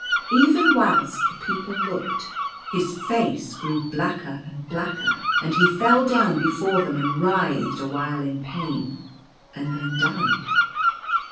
Even whilst the people looked, his 62 The Giant's presence. face grew blacker and blacker, and he fell down before them, and writhed a while in pain, and then died.